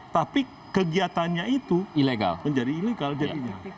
tapi kegiatannya itu ilegal menjadi ilegal jadinya